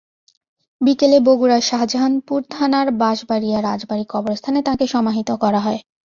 বিকেলে বগুড়ার শাহজাহানপুর থানার বাশবাড়িয়া রাজবাড়ী কবরস্থানে তাঁকে সমাহিত করা হয়।